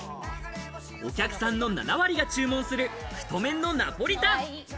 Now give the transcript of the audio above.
お客さんの７割が注文する太めのナポリタン。